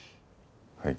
はい。